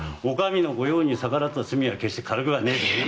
お上の御用に逆らった罪は決して軽くはねえぜ。